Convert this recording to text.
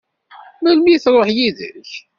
Melmi i tṛuḥ yid-k?